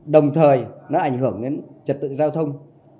đồng thời nó ảnh hưởng đến trật tự giao thông